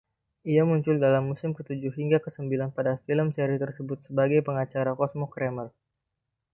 Ia muncul dalam musim ketujuh hingga kesembilan pada film seri tersebut sebagai pengacara Cosmo Kramer.